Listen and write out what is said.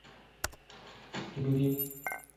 后唐是中国五代时期的政权之一。